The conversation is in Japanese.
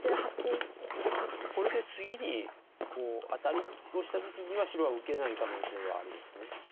これで次にアタリをした時には白は受けない可能性はあります。